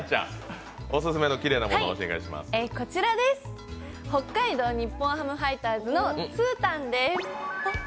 こちらです、北海道日本ハムファイターズのツータンです。